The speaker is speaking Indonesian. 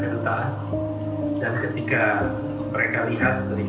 yang terjadi justru dibalik